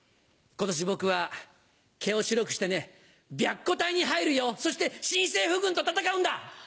今年僕は毛を白くしてね白虎隊に入るよそして新政府軍と戦うんだ。